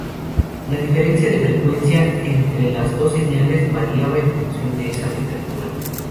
La diferencia de frecuencia entre las dos señales variaba en función de esa temperatura.